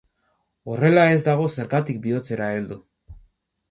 Horrela ez dago zergatik bihotzera heldu.